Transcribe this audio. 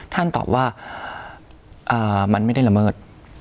ท่านตอบว่ามันไม่ได้ละเมิด